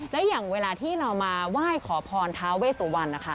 และอย่างเวลาที่เรามาไหว้ขอพรท้าเวสุวรรณนะคะ